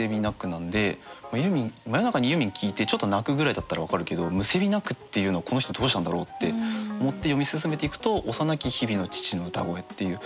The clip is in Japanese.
なんで真夜中にユーミン聴いてちょっと泣くぐらいだったら分かるけど咽び泣くっていうのはこの人どうしたんだろうって思って読み進めていくと「幼き日々の父の歌声」っていう。